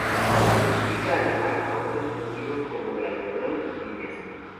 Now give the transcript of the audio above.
Se dedican además a otros cultivos como el algodón y piñas.